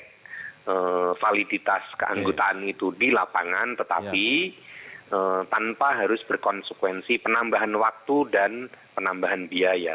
karena validitas keanggotaan itu di lapangan tetapi tanpa harus berkonsekuensi penambahan waktu dan penambahan biaya